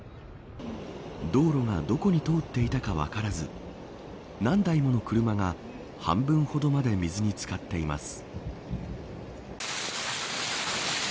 道路がどこに通っていたか分からず何台もの車が半分ほどまで水につかっています。